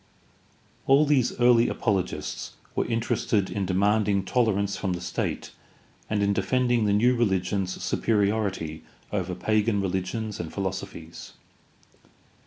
All these early apologists were interested in demanding tolerance frorn the state and in defending the new reHgion's superiority over pagan religions and philosophies.